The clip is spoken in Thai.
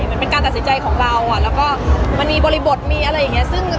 มันเป็นการตัดสินใจของเราแล้วก็มันมีบริบทมีอะไรอย่างเงี้ย